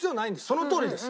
そのとおりです